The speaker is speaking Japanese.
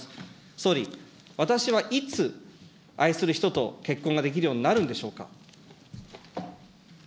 総理、私はいつ、愛する人と結婚ができるようになるんでしょうか。